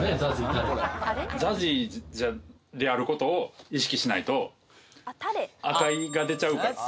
ＺＡＺＹである事を意識しないと赤井が出ちゃうから。